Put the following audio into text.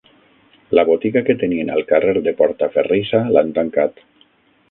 La botiga que tenien al carrer de Portaferrissa l'han tancat.